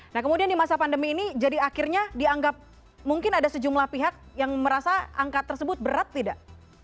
nah kemudian di masa pandemi ini jadi akhirnya dianggap mungkin ada sejumlah pihak yang merasa angka tersebut berat tidak